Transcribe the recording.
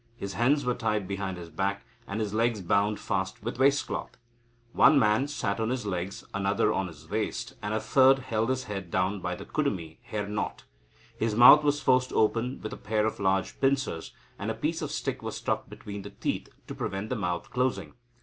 His hands were tied behind his back, and his legs bound fast with his waist cloth. One man sat on his legs, another on his waist, and a third held his head down by the kudumi (hair knot). His mouth was forced open with a pair of large pincers, and a piece of stick was thrust between the teeth to prevent the mouth closing.